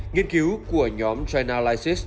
nghiên cứu của nhóm chinalysis